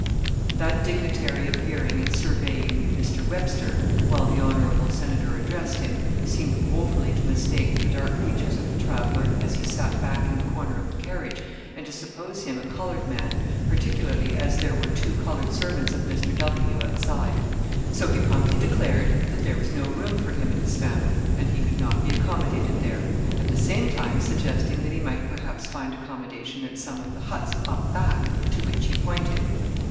That dignitary appearing, and surveying Mr. Webster, while the hon. senator addressed him, seemed woefully to mistake the dark features of the traveller as he sat back in the corner of the carriage, and to suppose him a coloured man, particularly as there were two coloured servants of Mr. W. outside. So he promptly declared that there was no room for him and his family, and he could not be accommodated there at the same time suggesting that he might perhaps find accommodation at some of the huts up back, to which he pointed.